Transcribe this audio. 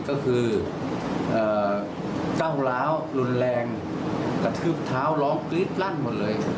ก็คือก้าวร้าวรุนแรงกระทืบเท้าร้องกรี๊ดลั่นหมดเลย